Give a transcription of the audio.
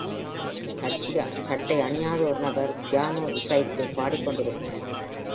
சட்டை அணியாத ஒரு நபர் பியானோ இசைத்து பாடிக்கொண்டிருக்கிறார்.